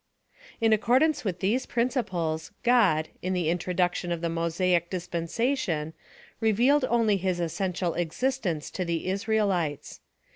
In accordance with these principles, God, in the introduction of the Mosaic dispensation, revealed only his essential existence to the Israelites.